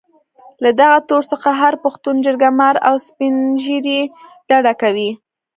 له دغه تور څخه هر پښتون جرګه مار او سپين ږيري ډډه کوي.